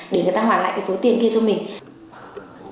để người ta hoàn lại cái số tiền kia cho mình